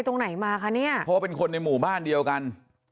ตรงไหนมาคะเนี่ยเพราะว่าเป็นคนในหมู่บ้านเดียวกัน